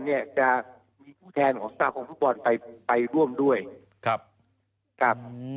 เนี่ยจะมีผู้แทนของสมาคมฟุตบอลไปไปร่วมด้วยครับครับ